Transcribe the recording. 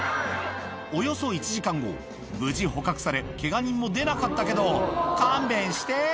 およそ１時間後、無事捕獲され、けが人も出なかったけど、勘弁して。